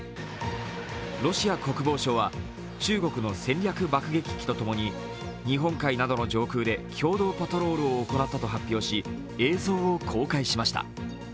ロシア国防省は中国の戦略爆撃機とともに日本海などの上空で共同パトロールを行ったと発表し、映像を公開しました。